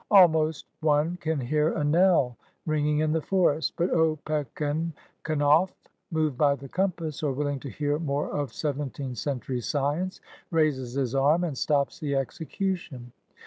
Almost one can hear a knell ringing in the forest! But Opechancanough, moved by the compass, or willing to hear more of seventeenth century science, raises his arm and stops the execution.